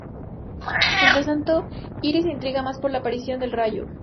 Mientras tanto, Iris se intriga más por la aparición de "el Rayo".